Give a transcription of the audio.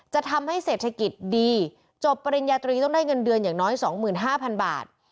จะทำให้เศรษฐกิจดีจบปริญญาตรีต้องได้เงินเดือนอย่างน้อย๒๕๐๐๐บาท